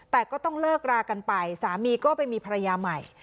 แต่ก็ต้องเลิกรากันไปสามีก็ไปมีภรรยาใหม่